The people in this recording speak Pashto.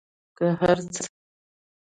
که هر څنګه